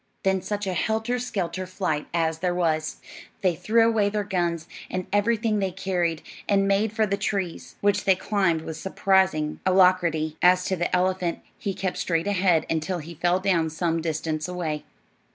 Then such a helter skelter flight as there was! They threw away their guns and everything they carried, and made for the trees, which they climbed with surprising alacrity. As to the elephant, he kept straight ahead until he fell down some distance away.